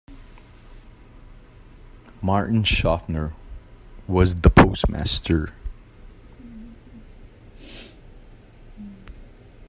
Martin Shofner was the postmaster.